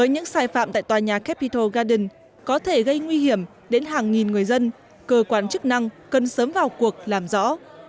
những sai phạm tại tòa nhà capitol garden có thể gây nguy hiểm đến hàng nghìn người dân cơ quan chức năng cần sớm vào cuộc làm rõ